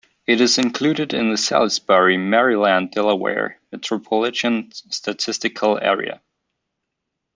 It is included in the Salisbury, Maryland-Delaware Metropolitan Statistical Area.